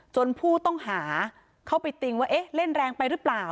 ผู้ต้องหาเข้าไปติงว่าเอ๊ะเล่นแรงไปหรือเปล่า